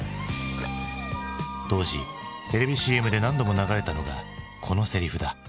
当時テレビＣＭで何度も流れたのがこのセリフだ。